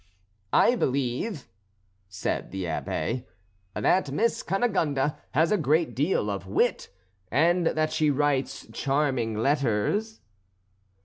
"I believe," said the Abbé, "that Miss Cunegonde has a great deal of wit, and that she writes charming letters?"